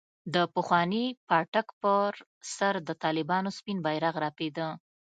د پخواني پاټک پر سر د طالبانو سپين بيرغ رپېده.